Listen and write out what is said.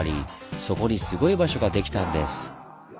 そこにすごい場所ができたんです。